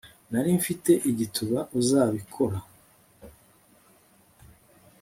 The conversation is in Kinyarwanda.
nari mfite igituba uzabikora